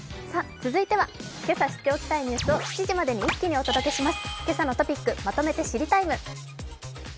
続いてはけさ知っておきたいニュースを７時までに一気にお届けします。